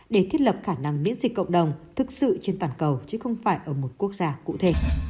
để thiết lập khả năng miễn dịch cộng đồng thực sự trên toàn cầu chứ không phải ở một quốc gia cụ thể